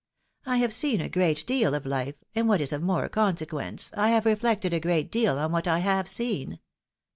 I have seen a great deal of life, and what is of more consequence, I have reflected a great deal on what I have seen.